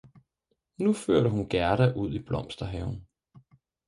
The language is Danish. Nu førte hun Gerda ud i blomsterhaven.